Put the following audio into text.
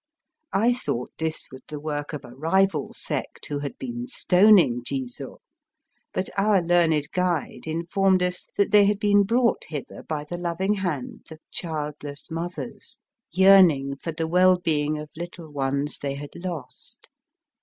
I thought this was the work of a rival sect who had been stoning Ji zo ; but our learned guide informed us that they had been brought hither by the loving hands of childless mothers, yearning for the well being of little ones they had lost.